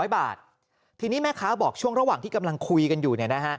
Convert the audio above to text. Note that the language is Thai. ๑๓๔๐๐บาททีนี้แม่คะบอกช่วงระหว่างที่กำลังคุยกันอยู่